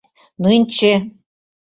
Нынче...